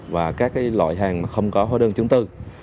và các loại hàng không có hóa đơn chứng tư